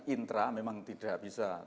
intra memang tidak bisa